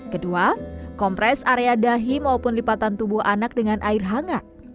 kedua kompres area dahi maupun lipatan tubuh anak dengan air hangat